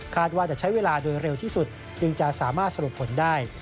ว่าจะใช้เวลาโดยเร็วที่สุดจึงจะสามารถสรุปผลได้